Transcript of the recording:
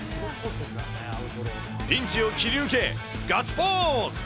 ピンチを切り抜け、ガッツポーズ。